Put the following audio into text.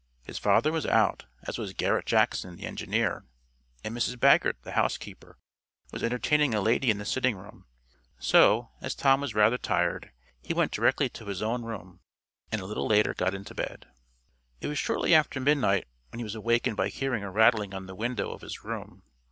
His father was out, as was Garret Jackson, the engineer; and Mrs. Baggert, the housekeeper, was entertaining a lady in the sitting room, so, as Tom was rather tired, he went directly to his own room, and, a little later got into bed. It was shortly after midnight when he was awakened by hearing a rattling on the window of his room.